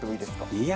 いや、